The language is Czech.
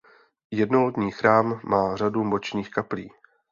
Jednolodní chrám má řadu bočních kaplí.